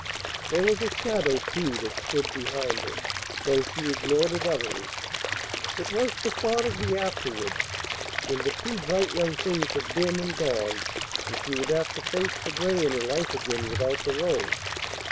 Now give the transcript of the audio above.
There was a shadow, too, that stood behind her, though she ignored it utterly; it was the thought of the afterwards, when the two bright young things had been and gone, and she would have to face the gray in her life again without the rose.